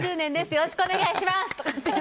よろしくお願いします！とかって